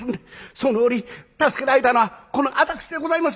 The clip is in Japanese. その折助けられたのはこの私でございます！」。